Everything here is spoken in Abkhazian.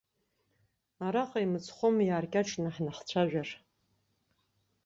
Араҟа имцхәым иааркьаҿны ҳнахцәажәар.